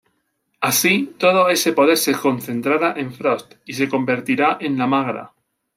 Así, todo ese poder se concentrara en Frost, y se convertirá en La Magra.